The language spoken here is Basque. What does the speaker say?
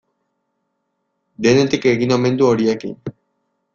Denetik egin omen du horiekin.